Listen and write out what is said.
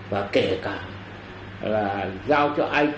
và kể cả là giao cho it